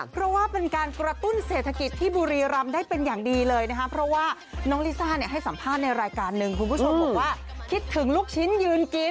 เพราะว่าเป็นการกระตุ้นเศรษฐกิจที่บุรีรำได้เป็นอย่างดีเลยนะคะเพราะว่าน้องลิซ่าเนี่ยให้สัมภาษณ์ในรายการหนึ่งคุณผู้ชมบอกว่าคิดถึงลูกชิ้นยืนกิน